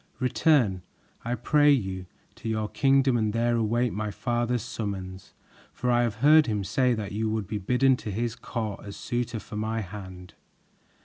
Return, I pray you, to your kingdom and there await my father's summons, for I have heard him say that you would be bidden to his court as suitor for my hand."